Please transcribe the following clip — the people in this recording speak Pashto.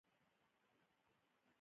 یزد د خښتو لرغونی ښار دی.